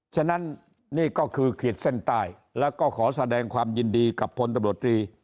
ฉะนั้นนี่ก็คือขีดเส้นใต้แล้วก็ขอแสดงความยินดีกับพลตำรวจตรี